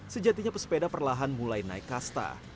sejatinya pesepeda perlahan mulai naik kasta